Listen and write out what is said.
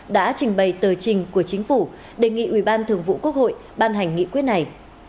đã trình bày tờ trình của chính phủ đề nghị ủy ban thường vụ quốc hội ban hành nghị quyết này